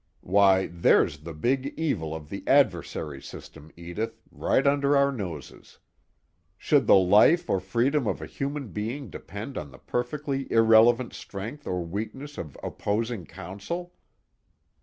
Why, there's the big evil of the adversary system, Edith, right under our noses. Should the life or freedom of a human being depend on the perfectly irrelevant strength or weakness of opposing counsel?